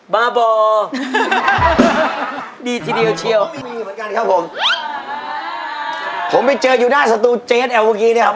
บ้าบอดีทีเดียวเชี่ยวผมไม่เจออยู่หน้าสตูเจสแอลเมื่อกี้เนี้ยครับ